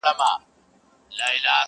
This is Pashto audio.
هر انسان خپل حقيقت لټوي تل,